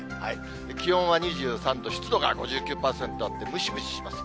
気温は２３度、湿度が５９％あって、ムシムシします。